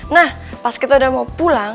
nah pas kita udah mau pulang